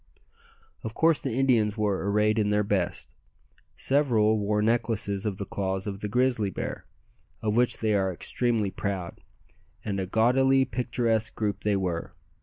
Of course the Indians were arrayed in their best. Several wore necklaces of the claws of the grizzly bear, of which they are extremely proud; and a gaudily picturesque group they were.